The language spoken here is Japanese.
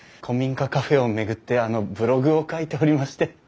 古民家カフェを巡ってあのブログを書いておりまして。